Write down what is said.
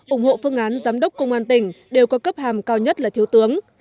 ủng hộ phương án giám đốc công an tỉnh đều có cấp hàm cao nhất là thiếu tướng